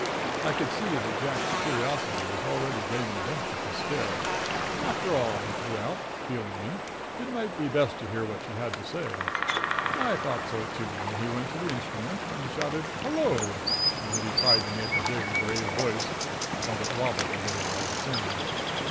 I could see that Jack's curiosity was already getting the best of his scare. After all, he threw out, feeling me, it might be best to hear what she had to say. I thought so, too, and he went to the instrument and shouted "Hello!" in what he tried to make a big, brave voice, but it wobbled a little all the same.